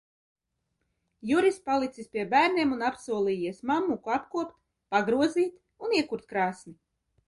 Juris palicis pie bērniem un apsolījies mammuku apkopt, pagrozīt un iekurt krāsni.